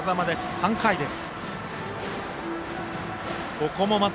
３回です。